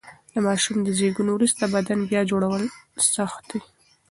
د ماشوم له زېږون وروسته بدن بیا جوړول سخت و.